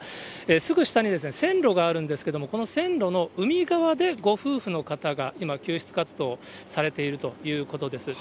すぐ下に線路があるんですけども、この線路の海側でご夫婦の方が、今、救出活動されているということです。